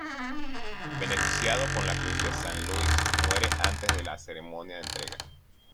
Beneficiado con la Cruz de Saint-Louis, muere antes de la ceremonia de entrega.